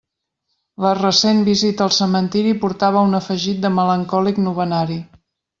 La recent visita al cementeri portava un afegit de melancòlic novenari.